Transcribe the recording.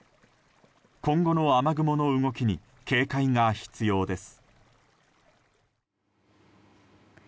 今後の雨雲の動きに警戒が必要です。